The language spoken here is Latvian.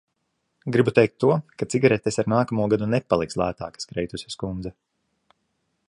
Gribu teikt to, ka cigaretes ar nākamo gadu nepaliks lētākas, Kreituses kundze.